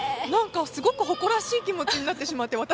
すごく誇らしい気持ちになってしまって。